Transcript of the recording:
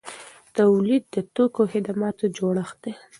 تولید د توکو او خدماتو جوړښت دی.